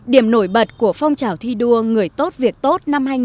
điểm nổi bật của phong trào thi đua người tốt việc tốt năm hai nghìn một mươi chín